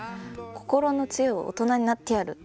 心の強い大人になってやる。